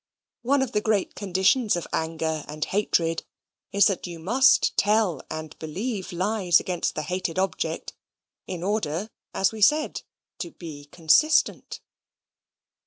One of the great conditions of anger and hatred is, that you must tell and believe lies against the hated object, in order, as we said, to be consistent.